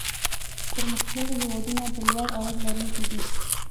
پرمختللي هېوادونه د لوړ عاید لرونکي دي.